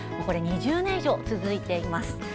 これは２０年以上続いています。